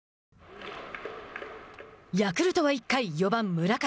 ヤクルトは、１回４番村上。